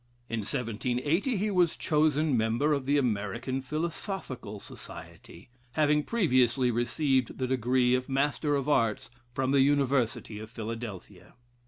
In 1780 he was chosen member of the American Philosophical Society, having previously received the degree of Master of Arts from the University of Philadelphia.